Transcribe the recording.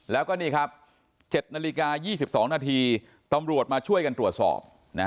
แล้วก็นี่ครับ๗นาฬิกา๒๒นาทีตำรวจมาช่วยกันตรวจสอบ